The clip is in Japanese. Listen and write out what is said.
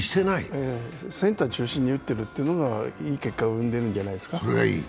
センター中心にいっているのがいい結果を生んでるんじゃないですかね。